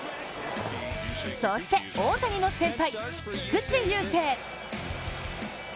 そして大谷の先輩、菊池雄星。